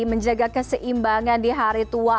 menjaga keseimbangan di hari tua